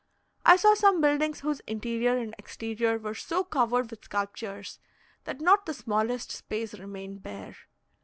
I saw some buildings whose interior and exterior were so covered with sculptures, that not the smallest space remained bare.